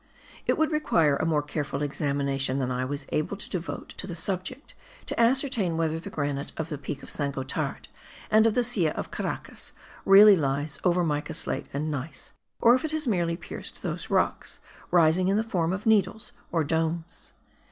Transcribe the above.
It would require a more careful examination than I was able to devote to the subject, to ascertain whether the granite of the peak of St. Gothard, and of the Silla of Caracas, really lies over mica slate and gneiss, or if it has merely pierced those rocks, rising in the form of needles or domes.